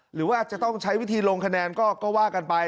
หรือว่าอาจจะต้องใช้วิธีลงคะแนนก็ว่ากันไป